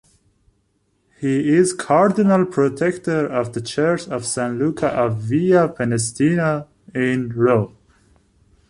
He is cardinal-protector of the Church of San Luca a Via Prenestina, in Rome.